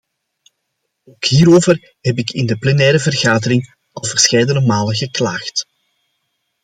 Ook hierover heb ik in de plenaire vergadering al verscheidene malen geklaagd.